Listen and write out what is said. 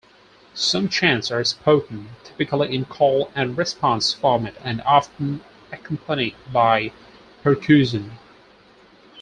Some chants are spoken, typically in call-and-response format and often accompanied by percussion.